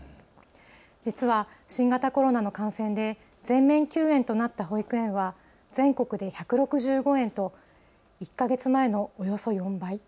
実は新型コロナの感染で全面休園となった保育園は全国で１６５園と１か月前のおよそ４倍。